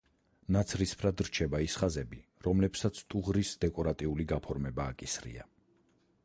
ნაცრისფრად რჩება ის ხაზები, რომლებსაც ტუღრის დეკორატიული გაფორმება აკისრია.